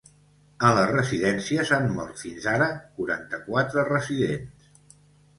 En les residències han mort fins ara quaranta-quatre residents.